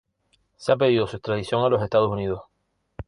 Se ha pedido su extradición a los Estados Unidos.